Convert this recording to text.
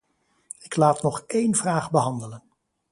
Ik laat nog één vraag behandelen.